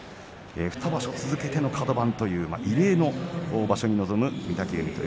２場所続けてのカド番という異例の本場所に臨む御嶽海です。